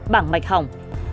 bảng mạch hỏng